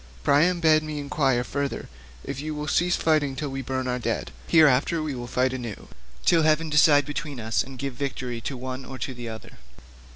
Priam bade me inquire further if you will cease fighting till we burn our dead; hereafter we will fight anew, till heaven decide between us and give victory to one or to the other."